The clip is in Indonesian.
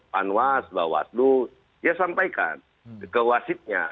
panwas bawaslu ya sampaikan ke wasitnya